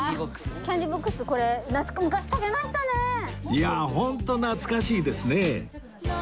いやあ本当懐かしいですね